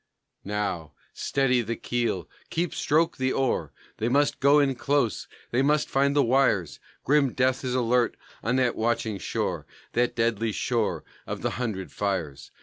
Now, steady the keel, keep stroke the oar! They must go in close, they must find the wires; Grim death is alert on that watching shore, That deadly shore of the "Hundred Fires."